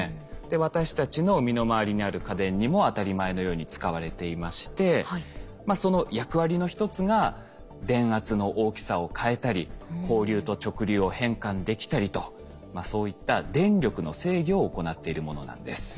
私たちの身の回りにある家電にも当たり前のように使われていましてその役割の一つが電圧の大きさを変えたり交流と直流を変換できたりとそういった電力の制御を行っているものなんです。